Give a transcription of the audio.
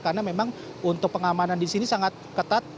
karena memang untuk pengamanan di sini sangat ketat